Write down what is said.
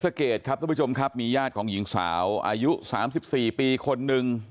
เกตครับทุกผู้ชมครับมีญาติของหญิงสาวอายุ๓๔ปีคนหนึ่ง